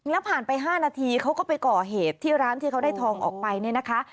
แล้วผ่านไป๕นาทีเขาก็ไปก่อเหตุที่ร้านที่เขาได้ทองออกไปเนี่ยนะคะ